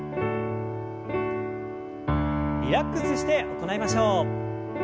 リラックスして行いましょう。